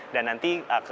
dan nanti kekejadiannya